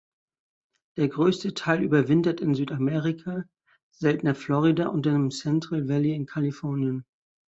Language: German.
Der größte Teil überwintert in Südamerika, seltener Florida und im Central Valley in Kalifornien.